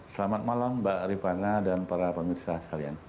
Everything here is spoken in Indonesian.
selamat malam mbak rifani dan para pemerintah sekalian